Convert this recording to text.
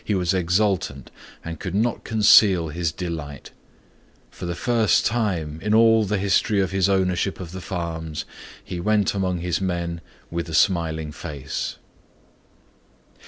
He was exultant and could not conceal his delight. For the first time in all the history of his ownership of the farms, he went among his men with a smiling face.